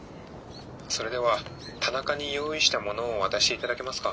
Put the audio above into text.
それでは田中に用意したものを渡して頂けますか？